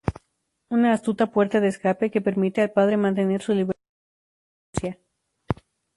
Una astuta puerta de escape que permite al padre mantener su libertad e independencia.